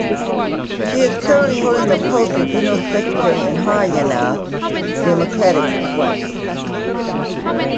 She is currently holding the post of general secretary in Haryana democratic front.